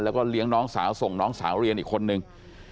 แล้วก็เลี้ยงน้องสาวส่งน้องสาวเรียนอีกคนนึง